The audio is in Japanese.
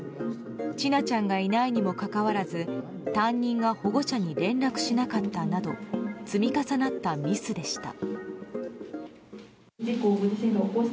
千奈ちゃんがいないにもかかわらず、担任が保護者に連絡しなかったなど積み重なったミスでした。